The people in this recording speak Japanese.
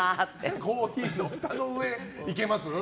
コーヒーのふたの上いけます？